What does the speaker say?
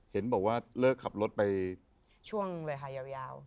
เห็นบอกว่าเลิกขับรถไปช่วงเลยค่ะยาว